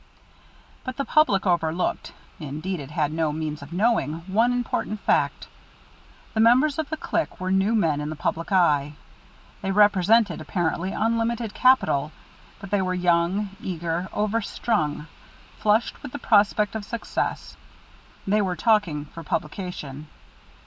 But the public overlooked, indeed it had no means of knowing, one important fact. The members of the Clique were new men in the public eye. They represented apparently unlimited capital, but they were young, eager, overstrung; flushed with the prospect of success, they were talking for publication.